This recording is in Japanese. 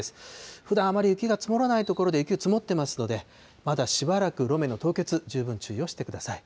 ふだん、あまり雪が積もらない所で雪が積もってますので、まだしばらく路面の凍結、十分注意をしてください。